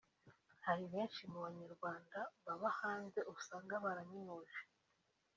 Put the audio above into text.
Hari benshi mu banyarwanda baba hanze usanga baraminuje